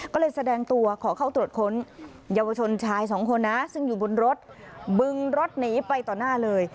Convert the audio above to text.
ก็เลยแสดงตัวขอเข้าตรวจค้นเยาวชนชายสองคนนะซึ่งอยู่บนรถบึงรถหนีไปต่อหน้าเลย